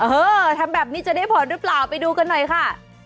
เออทำแบบนี้จะได้ผ่อนหรือเปล่าไปดูกันหน่อยค่ะ